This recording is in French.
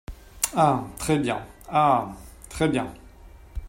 Ah ! très bien ! ah ! très bien !